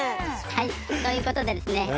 はいということでですね